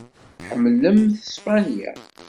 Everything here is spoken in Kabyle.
Tḥemmlemt Spanya?